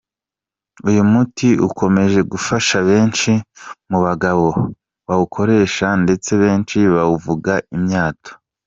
Uyu muti ukomeje gufasha benshi mu bagabo bawukoresheje ndetse benshi bawuvuga imyato.